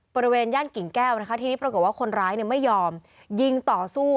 บริเวณย่านกิ่งแก้วนะคะทีนี้ปรากฏว่าคนร้ายไม่ยอมยิงต่อสู้